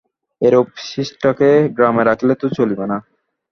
এরূপ ষ্টিাকে গ্রামে রাখিলে তো চলিবে না।